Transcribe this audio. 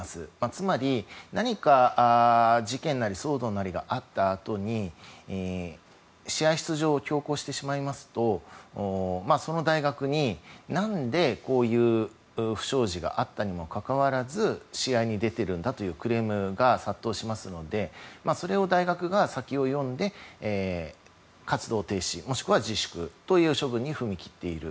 つまり、何か事件なり騒動なりがあったあとに試合出場を強行してしまうとその大学に何でこういう不祥事があったにもかかわらず試合に出てるんだというクレームが殺到しますのでそれを大学が先を読んで活動停止もしくは自粛という処分に踏み切っている。